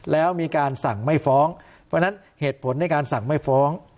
แล้วมีการสั่งไม่ฟ้องเพราะฉะนั้นเหตุผลในการสั่งไม่ฟ้อง